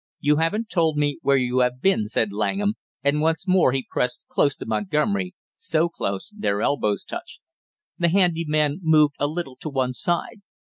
"You haven't told me where you have been," said Langham, and once more he pressed close to Montgomery, so close their elbows touched. The handy man moved a little to one side.